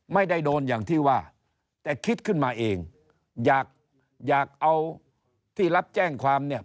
ไม่ได้โดนอย่างที่ว่าแต่คิดขึ้นมาเองอยากอยากเอาที่รับแจ้งความเนี่ย